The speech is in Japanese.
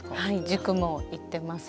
塾も行ってます。